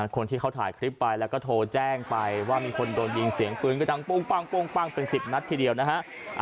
คนที่เขาถ่ายคลิปไปแล้วก็โทรแจ้งไปว่ามีคนโดนยิงเสียงปืนก็ดังปุ้งปั้งเป็น๑๐นัดทีเดียวนะฮะ